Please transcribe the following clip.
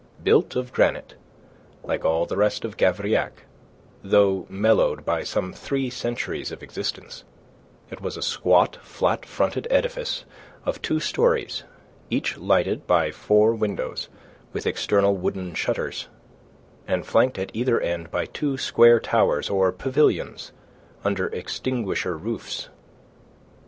Built of granite, like all the rest of Gavrillac, though mellowed by some three centuries of existence, it was a squat, flat fronted edifice of two stories, each lighted by four windows with external wooden shutters, and flanked at either end by two square towers or pavilions under extinguisher roofs.